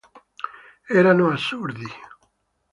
Erano assurdi.